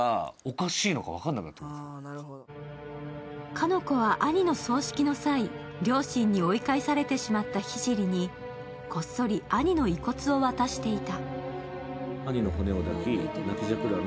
鹿ノ子は兄の葬式の際、両親に追い返されてしまった聖に、こっそり兄の遺骨を渡していた。